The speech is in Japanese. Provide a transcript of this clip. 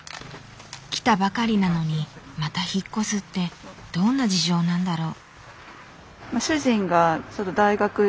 来たばかりなのにまた引っ越すってどんな事情なんだろう？